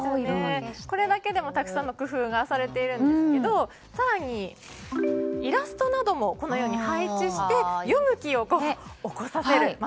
これだけでもたくさんの工夫がされているんですけど更にイラストなども配置して読む気を起こさせる。